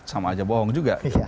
sama aja bohong juga